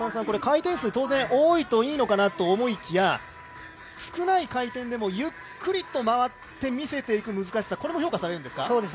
回転数、当然、多いといいのかなと思いきや少ない回転でもゆっくりと回って見せていく難しさも評価されるんですか？